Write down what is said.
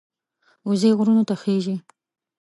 وزې غرونو ته خېژي